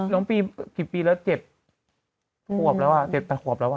เราปีหกพี่แล้วเจ็บขวบแล้วผม